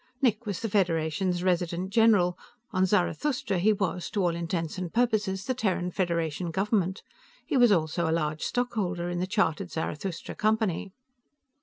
Nick was the Federation's resident general; on Zarathustra he was, to all intents and purposes, the Terran Federation Government. He was also a large stockholder in the chartered Zarathustra Company.